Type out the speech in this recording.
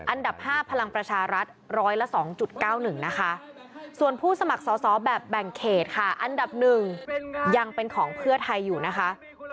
อันดับ๕พลังประชารัฐร้อยละ๒๙๑นะคะส่วนผู้สมัครสอบแบบแบ่งเขตค่ะอันดับ๑ยังเป็นของเพื่อไทยอยู่นะคะ